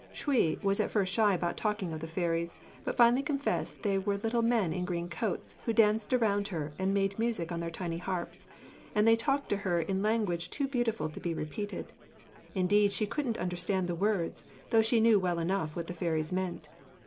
Shuï was at first shy about talking of the fairies, but finally confessed they were little men in green coats, who danced around her and made music on their tiny harps; and they talked to her in language too beautiful to be repeated; indeed she couldn't understand the words, though she knew well enough what the fairies meant.